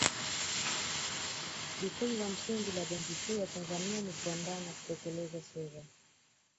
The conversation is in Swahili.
Jukumu la msingi la Benki Kuu ya Tanzania ni kuandaa na kutekeleza sera